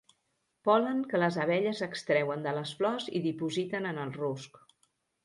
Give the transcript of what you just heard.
Pol·len que les abelles extreuen de les flors i dipositen en el rusc.